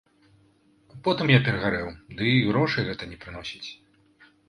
Потым я перагарэў, ды і грошай гэта не прыносіць.